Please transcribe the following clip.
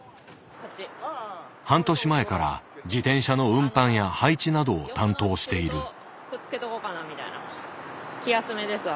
半年前から自転車の運搬や配置などを担当している。